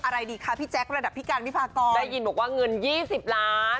อะไรดีคะพี่แจ๊คระดับพี่การวิพากรได้ยินบอกว่าเงิน๒๐ล้าน